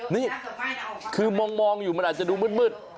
นี่คือมองอยู่มันอาจจะดูมืด